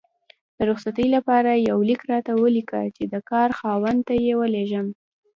د رخصتي لپاره یو لیک راته ولیکه چې د کار خاوند ته یې ولیږم